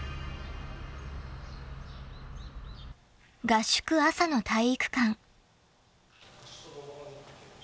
［合宿朝の体育館］